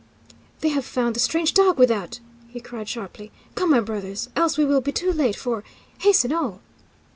"They have found the strange dog without!" he cried, sharply. "Come, my brothers, else we will be too late for hasten, all!"